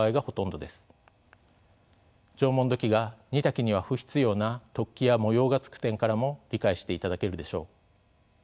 縄文土器が煮炊きには不必要な突起や模様がつく点からも理解していただけるでしょう。